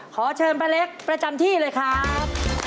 ขอเชิญป้าเล็กประจำที่เลยครับ